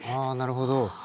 あなるほど。